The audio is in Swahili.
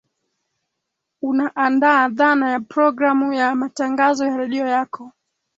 unaandaa dhana ya programu ya matangazo ya redio yako